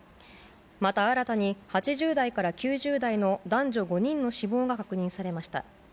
また新たに８０代から９０代の男女５人の死亡が確認されました。